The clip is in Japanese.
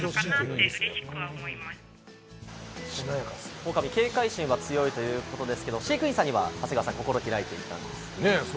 オオカミは警戒心が強いということですけれど、飼育員さんには心を開いていたんですね。